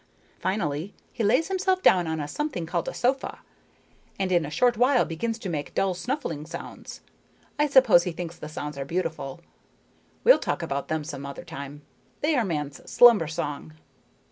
Finally he lays himself down on a something called a sofa, and in a short while begins to make dull snuffling sounds. I suppose he thinks the sounds are beautiful. We'll talk about them some other time. They are man's slumber song.